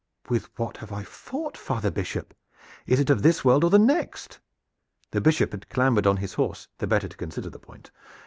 With what have I fought, father Bishop? Is it of this world or of the next?" The Bishop had clambered on his horse the better to consider the point.